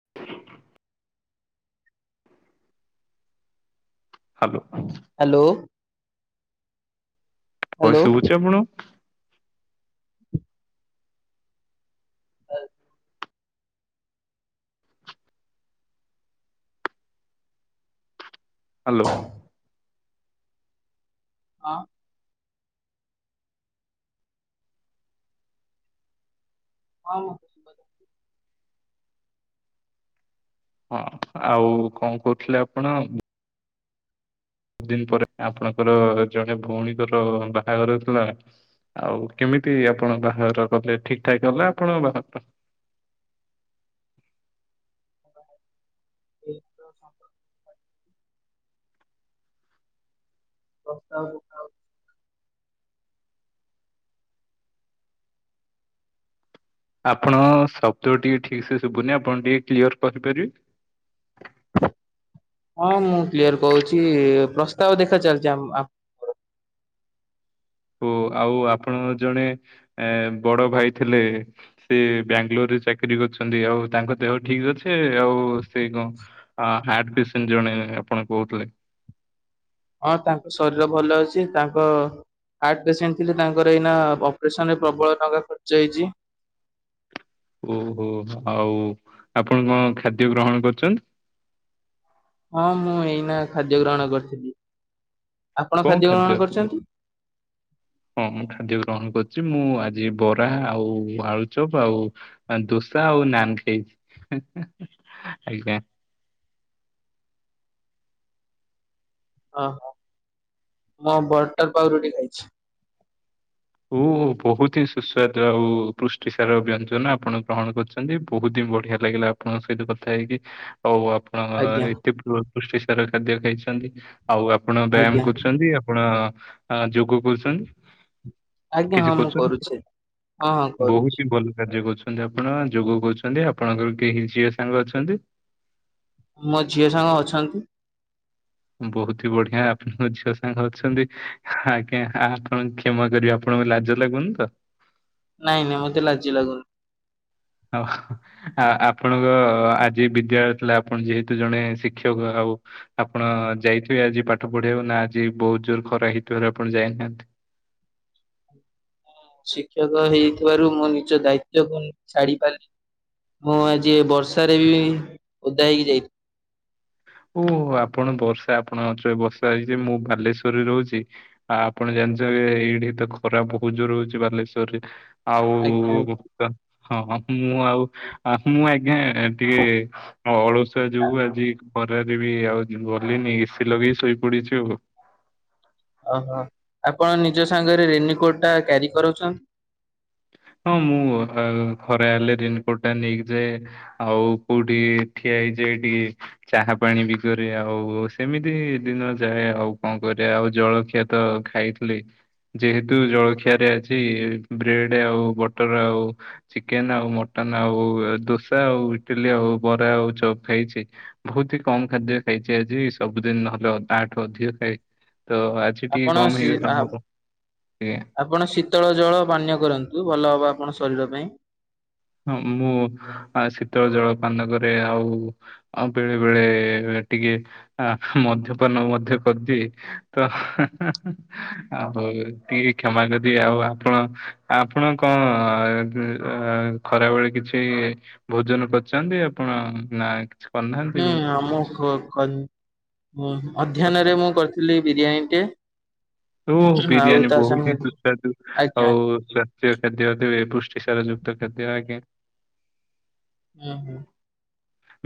[inaudible] Hello. Hello. ଭ‌ଏସ hello. ଶୁବୁଚି ଆପଣଙ୍କୁ? ହାଲୋ। ହଁ। ହଁ। ଶୁଭାଯାଉଛି। ହଁ ଆଉ କଁ କୋହୁଥିଲେ ଆପଣ? ଏତେ ଦିନ୍ ପରେ ଆପଣଙ୍କର ଜଣେ ଭଉଣୀଙ୍କର ବାହାଘର ହୋଉଥିଲା। ଆଉ କେମିତି ଆପଣଙ୍କ ବାହାଘର କଲେ ଠିକ୍ ଠାକ୍ ଗଲା ଆପଣଙ୍କ ବାହାଘର? [inaudible] ପ୍ରସ୍ତାବ ଆ ଆପଣ ଶବ୍ଦ ଟିକେ ଠିକ୍ ସେ ଶୁବୁନି। ଆପଣ ଟିକେ କ୍ଲିୟର କହି ପାରିବେ? ହଁ ମୁଁ କ୍ଲିୟର କୋହୁଚି ପ୍ରସ୍ତାବ ଦେଖା ଚାଲିଚି ଆମ ଆପ ଓ ଆଉ ଆପଣଙ୍କ ଜଣେ ଏ ବଡ ଭାଇ ଥିଲେ। ସେ ବାଙ୍ଗାଲୋର ରେ ଚାକିରି କରିୁଚନ୍ତି। ଆଉ ତାଙ୍କ ଦେହ ଠିକ ଅଛି? ସେ ଆଉ ସେଇ କଣ ହାଟ୍ ପେସେଣ୍ଟ ଜଣେ ଆପଣ କୋହୁଥିଲେ। ହଁ ତାଙ୍କ ଶରୀର ଭଲ ଅଛି ତାଙ୍କ ହାର୍ଟ ପେସେଣ୍ଟ ଥିଲେ ତାଙ୍କର ଏଇନା ଅପରେସନ ରେ ପ୍ରବଳ ଟଙ୍କା ଖର୍ଚ୍ଚ ହେଇଚି। ଓହୋ ଆଉ ଆପଣ କଣ ଖାଦ୍ୟ ଗ୍ରହଣ କରୁଚନ୍ତି। ହଁ ମୁଁ ଏଇନା ଖାଦ୍ୟ ଗ୍ରହଣ କରିଥିଲି। ଆପଣ ଖାଦ୍ୟ ଗ୍ରହଣ କରିଚନ୍ତି? ହଁ। ହଁ ମୁଁ ଖାଦ୍ୟ ଗ୍ରହଣ କରୁଚି। ମୁଁ ଆଜି ବରା ଆଉ ଆଳୁଚପ ଆଉ ଦୋସା ଆଉ ନାନ୍ ଖାଇଚି ଆଜ୍ଞା। ଓହୋ ମୁଁ ବଟର ପାଉରୁଟି ଖାଇଚି। ଓ ବୋହୁତ ହିଁ ସୁସ୍ୱାଦ ଆଉ ପୃଷ୍ଟି ସାର ବ୍ୟଞ୍ଜନ ଆପଣ ଗ୍ରହଣ କରୁଚ ନ୍ତି ବୋହୁତ ହିଁ ବଢିଆ ଲାଗିଲା ଆପଣଙ୍କ ସହିତ କଥା ହେଇକି ଆଉ ଆ ଣ ଆଜ୍ଞା ଏତେ ପୃ-ପୃଷ୍ଟି ସାର ଖାଦ୍ୟ ଖାଇଚନ୍ତି। ଆଉ ଆପଣ ଆଜ୍ଞା ବ୍ୟାୟାମ କରୁଚନ୍ତି ଆ ଆପଣ ଯୋଗ କରୁଚନ୍ତି? ଆଜ୍ଞା ହଁ ମୁଁ କରୁଚି ହଁ ବହୁତ କରୁଚି। ଭଲ କାର୍ଯ୍ୟ କରୁଚନ୍ତି ଆପଣ ଯୋଗ କରୁଚନ୍ତି। ଆପଣଙ୍କର କେହି ଝିଅ ସାଙ୍ଗ ଅଛନ୍ତି? ମୋ ଝିଅ ସାଙ୍ଗ ଅଛନ୍ତି। ବୋହୁତହି ବଢିଆ ଆପଣଙ୍କ ଝିଅ ସାଙ୍ଗ ଅଛନ୍ତି ଆଜ୍ଞା ଆପଣ ଝି କ୍ଷମା କରିବେ ଆପଣଙ୍କୁ ଲାଜ ଲାଗୁନି ତ? ନାଇଁ ନାଇଁ ମତେ ଲଜଜି ଲାଗୁନ୍। ଆଉ ଆ ଆପଣଙ୍କ ଆଜି ବିଦ୍ୟାଳୟ ଥିଲା ଆପଣ ଯେହେତୁ ଜଣେ ଶିକ୍ଷକ ଆଉ‌ ଆପଣ ଯାଇଥିବେ ଆଜି ପାଠ ପଢେଆକୁ ନା ଆଜି ବୋହୁତ ଜୋର ଖରା ହେଇଥିବାରୁ ଆପଣ ଯାଇନାହାନ୍ତି? ଶିକ୍ଷକ ହେଇଥିବାରୁ ମୁଁ ନିଜ ଦାୟିତ୍ୱକୁ ଛାଡି ପାରିଲି ମୁଁ ଆଜି ବର୍ଷାରେ ବି ଓଦା ହେଇକି ଯାଇଥି ଓହୋ ଆପଣ ବର୍ଷା ଆପଣଙ୍କ ଅଞ୍ଚଳରେ ବର୍ଷା ହେଇଚି ମୁଁ ବାଲେଶ୍ୱରରେ ରହୁଚି। ଆ ଆପଣ ଜାଣିଚନ୍ତି ଏଇଠି ତ ଖରାପ ବୋହୁତ ଜୋରେ ହୋଉଚି ବାଲେଶ୍ଵରରେ। ଆଜ୍ଞା ଆଉ ଆଜ୍ଞା ତ ହଁ ମୁଁ ଆଉ ଆ ମୁଁ ଆଜ୍ଞା। ଏ ଟିକେ ଅଳସୁଆ ଯୋଗୁ ଆଜି ଖରାରେ ବି ଆଉ ଯି ଗଲିନି ଏସି ଲଗେଇ ଶୋଇପଡିଛି ଆଉ। ଓହୋ ଆପଣ ନିଜ ସାଙ୍ଗରେ ରେନିକୋଟଟା କ୍ୟାରି କରୁଛନ୍। ହଁ ମୁଁ ଆ ଖରା ହେଲେ ରେନକୋଟଟା ନେଇକି ଯାଏ। ଆଉ କୋଉଠିକି ଠିଆ ହେଇଚି ଏଇଠି। ଚାହା ପାଣି ବି କରେ ଆଉ ସେମିତି ଦିନ ଯାଏ ଆଉ କଣ କରେ ଆଉ ଜଳଖିଆ ତ ଖାଇଥିଲି ଯେହେତୁ ଜଳଖିଆରେ ଅଛି ବ୍ରେଡେ ଆଉ ବଟର ଆଉ ଚିକେନ ଆଉ ମଟନ ଆଉ ଦୋସା ଆଉ ଇଟିଲି ଆଉ ବରା ଆଉ ଖାଇଚି। ବୋହୁତ ହି କମ ଖାଦ୍ୟ ଖାଇଚି ଆଜି ସବୁଦିନ ନହେଲେ ଅ ଆଠୁ ଅଧିକ ଖାଏ ତ ଆଜି ସେ ଟିକେ ଆପଣ କମ ସି ହେଇଗଲା ଆ ମୋର ଇଏ। ଆପଣ ଶୀତଳ ଜଳ ପାନୀୟ କରନ୍ତୁ ଭଲ ହବ ଆପଣ ଶରୀର ପାଇଁ। ହଁ ଆ ମୁଁ ଶୀତଳ ଜଳପାନ କରେ ଆଉ। ଆଉ ବେଳେ ବେଳେ ଟିକେ ଆ ମଦ୍ୟପାନ ମଧ୍ୟ କରିଦିଏ। ତ ହା ହା ହା। ଆଉ ହୋଉ ଟିକେ କ୍ଷମା କରିବେ ଆଉ ଆପଣ ଆପଣ କଣ ଆ ଏ ଖରାବେଳେ କିଛି ଭୋଜନ କରଚନ୍ତି ଆପଣ ନା କିଛି କରିନାହାନ୍ତି ହୁଁ ଏମିତି ଆମ କ କନ୍ ଅଧ୍ୟାନରେ କରିଛନ୍ତି? ମୁଁ କରଥିଲି ବିରିୟାନୀଟେ। ଓ ବିରିୟାନୀ ବହୁତହି ସାଙ୍ଗରେ ସୁସ୍ୱାଦୁ ଆଜ୍ଞା ଆଜ୍ଞା ଆଉ ଚା ଯା ଖଦ୍ୟ ଦେବେ ପୁଷ୍ଟିସାର ଯୁକ୍ତ ଖାଦ୍ୟ ଆଜ୍ଞା। ଉଁ ହୁଁ।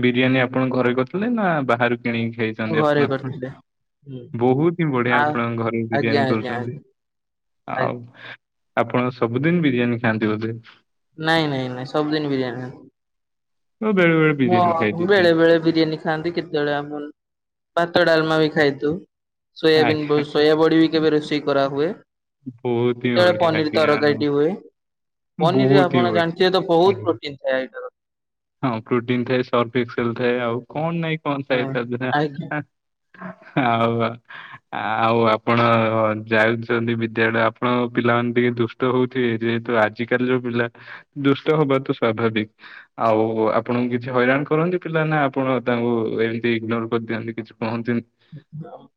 ବିରିୟାନୀ ଆପଣ ଘରେ କରିଥିଲେ ନା ବାହାରୁ କିଣିକି ହୁଁ ହେଇଚନ୍ତି ଘରେ ଆପଣଙ୍କ କରିଥିଲେ। ହୁଁ ବୋହୁତ ହିଁ ବଢିଆ ଆ ଆପଣଙ୍କ ଘରେ ବି ଆଜ୍ଞା ବିରିୟାନୀ ଆଜ୍ଞା କରୁଛନ୍ତି ଆଜ୍ଞା ଆଜ୍ଞା ଆଉ ଆପଣ ସବୁଦିନ ବିରିୟାନୀ ଖାଆନ୍ତି ବୋଧେ। ନାଇଁ ନାଇଁ ନାଇଁ ସବୁଦିନ ବିରିୟାନୀ ଖାଏ ଓ ବେଳେ ବେଳେ ବିରିୟାନୀ ମୁଁ ଖାଇଦଉଛନ୍ତି। ବେଳେବେଳେ ବିରିୟାନୀ ଖାଆନ୍ତି କେତେବେଳେ ଆପଣ ଭାତ ଡାଲମା ବି ଖାଇଦୋଉ। ସୋୟାବିନ୍ ବ ଆଜ୍ଞା ସୋୟାବଡ଼ି ବି କେବେ ରୋଷେଇ କରାହୁୁଏ। ବହୁତ ହିଁ ସେତେବେଳେ ବଢିଆ ପନିର ଆଜ୍ଞା। ତରକାରୀଟି ହୁଏ। ପନିରୀ ବହୁତ ହିଁ ଆପଣ ବଢିଆ। ଜାଣିଥିବେ ତ ବୋହୁତ ଆଜ୍ଞା। ପ୍ରୋଟିନ ଥାଏ ହେଟାର। ହଁ ପ୍ରୋଟିନ୍ ଥାଏ ସଲଫଏକ୍ସେଲ୍ ଥାଏ ଆଉ କଣ ନାଇଁ କଣ ଥାଏ ହଁ ତା ଦେହରେ ଆଜ୍ଞା ଏଁ। ଆଉ ଆଉ ଆପଣ ଯାଉଚନ୍ତି ବିଦ୍ୟାଳୟ ଆପଣଙ୍କ ପିଲାମାନେ ଟିକେ ଦୁଷ୍ ଷ୍ଟ ହୋଉଥିବେ ଯେହେତୁ ଆଜିିକାଲି ଯୋଉ ପିଲା ଦୁଷ୍ଟ ହବା ତ ସ୍ୱଭାବିକ। ଆଉ ଆପଣଙ୍କୁ କିଛି ହଇରାଣ କରନ୍ତି ପିଲା ନା ଆପଣ ତାଙ୍କୁ ଏମତି ଇଗ୍ନୋର କରିଦିଅନ୍ତି କିଛି କୁହନ୍ତିନି? ଏକଦମ୍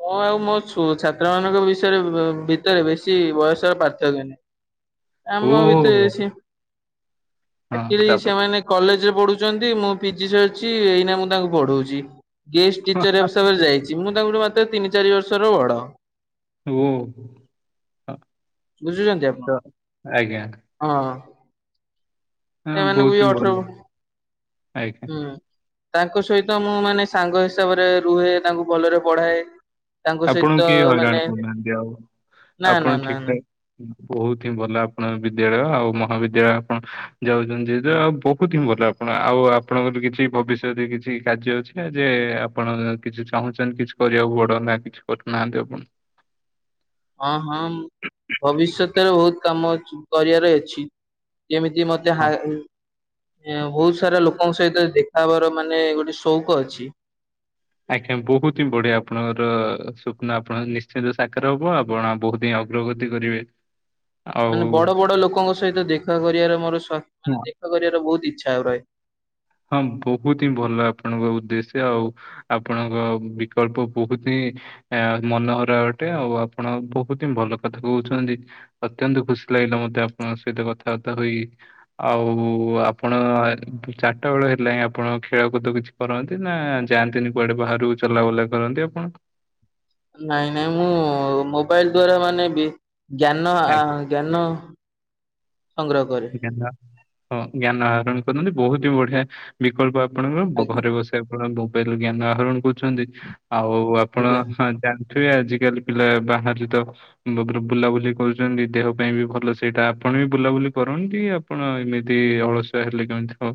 ମୁଁ ଆଉ ମୋ ଛୁ ଛାତ୍ରମାନଙ୍କ ବିଷୟରେ ବ ଭିତରେ ବେଶୀ ବୟସର ପାର୍ଥକ୍ୟ ନାହିଁ। [unintelligible] ଓ ଆମ ଭିତ ଅଛି। ହଁ ଆଚୁଆଲି ତାପରେ ସେମାନେ କଲେଜରେ ପଢୁଛନ୍ତି ମୁଁ ପିଜି ସରିଛି ଏଇନା ମୁଁ ତାଙ୍କୁ ପଢଉଛି। ଗେଷ୍ଟଟିଚର ଯାଇଛି ମୁଁ ତାଙ୍କଠୁ ମାତ୍ର ତିନି ଚାରି ବର୍ଷର ବଡ। ଓ ହ ବୁଝୁଛନ୍ତି ଆପଣ ତ ଆଜ୍ଞା। ହଁ। ହଁ ଏଇମାନଙ୍କୁ ବହୁତ ବି ହିଁ ଅଠର ଭଲ ଆଜ୍ଞା ହୁଁ। ତାଙ୍କ ସହିତ ମୁଁ ମାନେ ସାଙ୍ଗ ହିସାବରେ ରୁହେ ତାଙ୍କୁ ଭଲରେ ପଢାଏ ତାଙ୍କ ସହିତ ଆପଣଙ୍କୁ କିଏ ହଇରାଣ ମାନେ କରୁନାହାନ୍ତି ଆଉ? ନା ଆପଣ ନା ନା ନା ଠିକଠାକ୍ ବହୁତୁ ହିଁ ଭଲ ଆପଣ ବିଦ୍ୟାଳୟ ଆଉ ମହାବିଦ୍ୟାଳୟ ଆପଣ ଯାଉଛନ୍ତି ଆଉ ବହୁତ ହିଁ ଭଲ ଆପଣ ଆଉ ଆପଣଙ୍କର କିଛି ଭବିଷ୍ୟତରେ କିଛି କାର୍ଯ୍ୟ ଅଛି ଯେ ଆପଣ କିଛି ଚାହୁଁଛନ୍ତି କିଛି? କରିବାକୁ ବଡ ନା କିଛି କରୁନାହାନ୍ତି ଆପଣ? ହଁ ହଁ ଭବିଷ୍ୟତରେ ବହୁତ କାମ ଅଛି କରିବାର ଅଛି। ଯେମିତି ମୋତେ ହଁ ହା ଇଁ ବହୁତ ସାରା ଲୋକଙ୍କ ସହିତ ଦେଖା ହବାର ମାନେ ଗୋଟେ ସଉକ ଅଛି ଆଜ୍ଞା ବହୁତ ହିଁ ବଢିଆ ଆପଣଙ୍କର ସ୍ୱପ୍ନ ଆପଣଙ୍କ ନିଶ୍ଚିନ୍ତ ସାକାର ହବ ଆପଣ ବହୁତ ହିଁ ପ୍ରଗତି କରିବେ। ମାନେ ବଡ ଆଉ ବଡ ଲୋକଙ୍କ ସହିତ ଦେଖା କରିବାର ମୋର ମାନେ ଦେଖା କରିବାର ବହୁତ ଇଚ୍ଛା ଆଉ ରହେ। ହଁ ବହୁତ ହିଁ ଭଲ ଆପଣଙ୍କ ଉଦ୍ଦେଶ୍ୟ ଆଉ ଆପଣଙ୍କ ବିକଳ୍ପ ବହୁତ ହିଁ ଆ ମନହରା ଅଟେ ଆଉ ଆପଣ ବହୁତ ହିଁ ଭଲ କଥା କହୁଛନ୍ତି। ଅତ୍ୟନ୍ତ ଖୁସି ଲାଗିଲା ମତେ ଆପଣଙ୍କ ସହିତ କଥାବାର୍ତ୍ତା ହୋଇ। ଆଉ ଆପଣ ଚା ରଟା ବେଳ ହେଲା ହିଁ ଆପଣ ଖେଳକୁଦ କିଛି କରନ୍ତି? ନା ଯାଆନ୍ତିନି କୁଆଡ଼େ ବାହାରୁକୁ ଚଲାବୁଲା କରନ୍ତି ଆପଣ? ନାଇଁ ନାଇଁ ମୁଁ ମୋବାଇଲଦ୍ଵାରା ମାନେ ବି ଜ୍ଞାନ ଆ ଜ୍ଞାନ ସଂଗ୍ରହ କରେ। ଆଜ୍ଞା ଜ୍ଞାନ ଆହରଣ କରନ୍ତି ବହୁତ ହି ବଢିଆ ବିକଳ୍ପ ଆପଣଙ୍କର ଆଜ୍ଞା ଘରେ ବସି ଆପଣ ମୋବାଇଲ ଜ୍ଞାନ ଆହରଣ କରୁଛନ୍ତି ଆଉ ଆପଣ ଆଜ୍ଞା। ହା ଯାନ୍ ଣିଥିବେ ଆଜିକାଲି ପିଲା ବାହାରି ତ ବୁ ବ୍ରୁ ବୁଲାବୁଲି କରୁଛନ୍ତି ଦେହ ପାଇଁ ବି ଭଲ ସେଇଟା ଆପଣ ବି ବୁଲାବୁଲି କରନ୍ତି ଆପଣ ଏମିତି ଅଳସୁଆ ହେଲେ କେମିତି ହବ।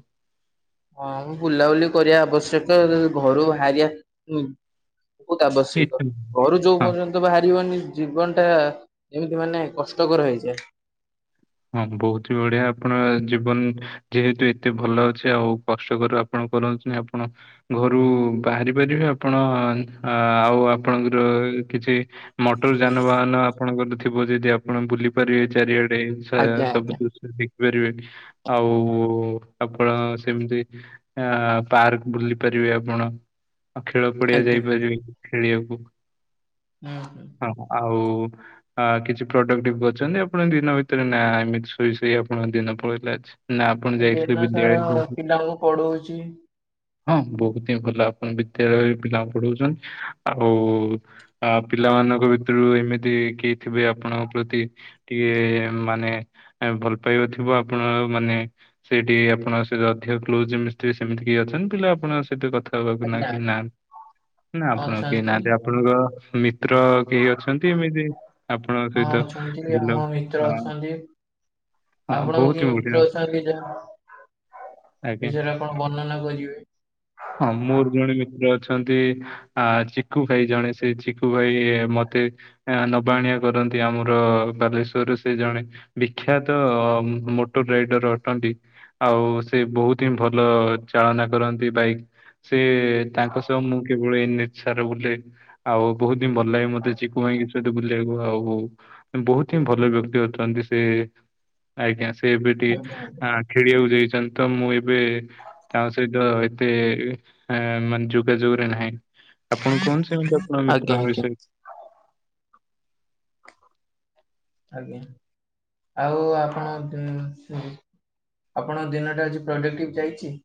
ହଁ ମୁଁ ବୁଲାବୁଲି କରିବା ଆବଶ୍ୟକ ଘରୁ ବାହାରିବା ବହୁତ ଆବଶ୍ୟକ। ଇଚ୍ଛା ଘରୁ ଯୋଉ ହଁ ପର୍ଯ୍ୟନ୍ତ ବାହାରିବନି ଜୀବନ ଟା ଏମିତି ମାନେ କଷ୍ଟକର ହେଇଯାଏ। ହଁ ବହୁତ ହି ବଢିଆ ଆପଣ ଜୀବନ ଯେହେତୁ ଏତେ ଭଲ ଅଛି ଆଉ କଷ୍ଟକର ଆପଣ କରନ୍ତୁନି ଆପଣ ଘରୁ ବାହାରି ପାରିବେ ଆପଣ ଆଉ ଆପଣଙ୍କର କିଛି ମଟର ଯାନବାହାନ ଆପଣଙ୍କର ଥିବ ଯଦି ଆପଣ ବୁଲି ପାରିବେ ଚାରିଆଡେ। ଆ ଆଜ୍ଞା ସବୁ ଆଜ୍ଞା ଦୃଶ୍ୟ ଦେଖିପାରିବେ ଆଉ ଆପଣ ସେମିତି ଅ ପାର୍କ ବୁଲିପାରିବେ ଆପଣ। ଆଉ ଖେଳ ପଡିଆ ଆଜ୍ଞା। ଯାଇପାରିବେ ଖେଳିବାକୁ। ହୁଁ ହୁଁ। ହ ଆଉ ଆ କିଛି ପ୍ରଡକ୍ଟିଭ କରିଛନ୍ତି ଆପଣ ଦିନ ଭିତ ତରେ ନା ଏମିତି ଶୋଇ ଶୋଇ ଆପଣଙ୍କ ଦିନ ପଳେଇଲେ ଆଜି? ନା ଆପଣ ହୁଁ ଦିନ ଯାଇଥିଲେ ବିଦ୍ୟା ସାରା [unintelligible] ପିଲାଙ୍କୁ ପଢଉଛି। ହଁ ବହୁତ ହିଁ ଭଲ ଆପଣ ବିଦ୍ୟାଳୟ ପିଲାଙ୍କୁ ପଢଉଛନ୍ତି ଆଉ ଆ ପିଲାମାନଙ୍କ ଭିତରୁ ଏମିତି କେହି ଥିବେ ଆପଣଙ୍କ ପ୍ରତି ଟିକେ ମାନେ ଭଲ ପାଇବା ଥିବ ଆପଣ ମାନେ ସେଠି ଆପଣଙ୍କ ସହିତ ଅଧିକ କ୍ଲୋଜ ଏମିତି ସେମିତି କି ଅଛନ୍ତି ପିଲା ଆପଣଙ୍କ ସହିତ କଥା କେହି ଆଜ୍ଞା ନାହାନ୍ତି ନା ଆପଣଙ୍କ କେହି ଅଛନ୍ତି ନାହାନ୍ତି ଆପଣଙ୍କ ମି ତ୍ର କେହି ଅଛନ୍ତି ଏମିତି ଆପଣଙ୍କ ହଁ ସହିତ ଅଛନ୍ତି ଆମ ବୁଲ ମିତ୍ର ହଁ ଅଛନ୍ତି ହଁ ଆପଣଙ୍କ ବହୁତ କିଏ ହିଁ ବଢିଆ ମିତ୍ର ଅଛନ୍ତି ଯାହା ଆଜ୍ଞା ବିଷୟରେ ଆପଣ ବର୍ଣ୍ଣନା କରିବେ? ହଁ ମୋର ଜଣେ ମିତ୍ର ଅଛନ୍ତି। ଆ ଚିକୁୁ ଭାଇ ଜଣେ ସେ ଚିକୁୁ ଭାଇ ମତେ ଆ ନବାଆଣିବା କରନ୍ତି ଆମର ବାଲେଶ୍ଵର ସେ ଜଣେ ବିଖ୍ୟାତ ମୋଟ ରାଇଡର ଅଟନ୍ତି। ଆଉ ସେ ବହୁତ୍ ହିଁ ଭଲ ଚାଳନା କରନ୍ତି ବାଇକ୍। ସେ ତାଙ୍କ ସହ ମୁଁ କେବଳ ଏ ନେଛାରେ ବୁଲେ। ଆଉ ବହୁତ ହିଁ ଭଲ ଲାଗେ ମତେ ଚିକୁ ଭାଇଙ୍କ ସହିତ ବୁଲିବାକୁ। ଆଉ ବହୁତ ହିଁ ଭଲ ବ୍ୟକ୍ତି। ଅଛନ୍ତି ସେ ଆଜ୍ଞା ସେ ଏବେ ଆଜ୍ଞା ଆଜ୍ଞା। ଟିକେ ଆଁ ଖେଳିବାକୁ ଯାଇଛନ୍ତି ତ, ମୁଁ ଏବେ ତାଙ୍କ ସହିତ ଏତେ ମାନେ ଯୋଗାଯୋଗରେ ନାହିଁ। ଆପଣ କୁହନ୍ତୁ ସେମିତି ଆପଣଙ୍କ ମିତ୍ରଙ୍କ ଆଜ୍ଞା ବିଷୟରେ। ଆଜ୍ଞା। ଆଉ ଆପଣ ଆପଣଙ୍କ ଦିନଟା ଆଜି ପ୍ରଡକ୍ଟିଭ ଯାଇଚି?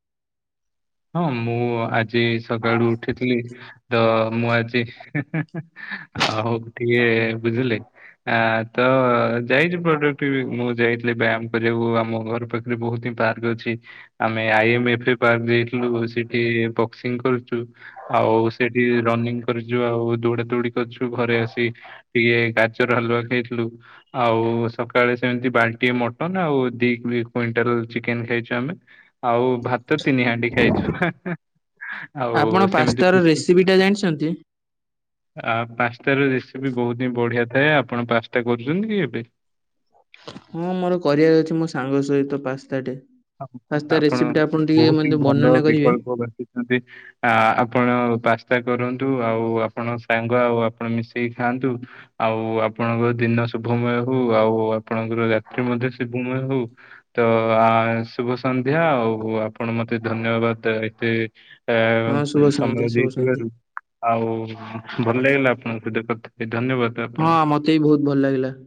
ହଁ ମୁଁ ଆଜି ସକାଳୁ ଉଠିଥିଲି, ତ ମୁଁ ଆଜି ହି ହି ଆଉ ଟିକେ ବୁଝିଲେ। ଆ ତ ଯାଇଛି ପ୍ରଡକ୍ଟିଭ୍। ମୁଁ ଯାଇଥିଲି ବ୍ୟାମ କରିବାକୁ ଆମ ଘର ପାଖ ବହୁତ୍ ହିଁ ପାର୍କ ଅଛି ଆମେ ଆଇ ଏମ ଏଫେ ପାର୍କ ଯାଇ ଥିଲୁ ସେଠି ବକ୍ସିଂ କରୁଚୁ। ଆଉ ସେଠି ରନିଙ୍ଗ କରିଛୁ ଆଉ ଦୌଡା ଦୌଡି କରିଛୁ ଘରେ ଆସି ଟିକେ ଗାଜର ହାୁଲୁଆ ଖାଇଥିଲୁ। ଆଉ ସକାଳେ ସେମତି ବାଲ୍ଟି ଏ ମଟନ୍ ଆଉ ଦି କୁଇଣ୍ଟାଲ ଚିକେନ ଖାଇଛୁ ଆମେ। ଆଉ ଭାତ ତିନି ହଣ୍ଡି। ହେଇଚୁ ହେ ହେ ଆଉ ଆପଣ ସେମିତି ପାସ୍ତାର ରେସିପି ଟା ଜାଣିଛନ୍ତି? ଆ ପାସ୍ତା ର ରେସିପି ବହୁତ୍ ହିଁ ବଢିଆ ଥାଏ। ଆପଣ ପାସ୍ତା କରୁଛନ୍ତି କି ଏବେ? ହଁ ମୋର କରିବାର ଅଛି ମୋ ସାଙ୍ଗ ସହିତ ପାସ୍ତାଟେ। ହଁ ପାସ୍ତା ଆପଣ ରେସିପି ଟା ଟିକେ ବହୁତ୍ ହିଁ ମତେ ଭଲ ବର୍ଣ୍ଣନା କରିବେ? ବିକଳ୍ପ ବାଣ୍ଟୁଛନ୍ତି। ଆ ଆପଣ ପାସ୍ତା କରନ୍ତୁ ଆଉ ଆପଣ ସାଙ୍ଗ ଆଉ ଆପଣ ମିଶିକି ଖାଆନ୍ତୁ। ଆଉ ଆପଣଙ୍କର ଦିନ ଶୁଭମୟ ହଉ। ଆଉ ଆପଣଙ୍କର ରାତ୍ରି ମଧ୍ୟ ଶୁଭମୟ ହଉ। ତ ଆ ଶୁଭ ସନ୍ଧ୍ୟା ଆଉ ଆପଣ ମତେ ଧନ୍ୟବାଦ ଏତେ ଆ ହଁ ଶୁଭ ସନ୍ଧ୍ୟା ସମୟ ଶୁଭ ସନ୍ଧ୍ୟା। ଦେଇଥିବାରୁ ଆଉ ଭଲ ଲାଗିଲା ଆପଣଙ୍କ ସହିତ କଥା ହେଇ ଧନ୍ୟବାଦ। ଆପଣଙ୍କୁ ହଁ ମତେ ବି ବହୁତ୍ ଭଲ ଲାଗିଲା।